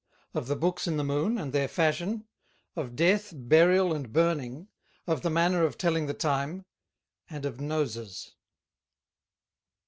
Of the Books in the Moon, and their Fashion; of Death, Burial, and Burning; of the Manner of telling the Time; and of Noses.